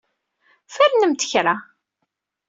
Fernemt kra.